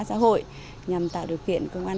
xã hội nhằm tạo được kiện công an